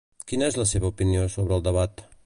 Quina és la seva opinió sobre el debat?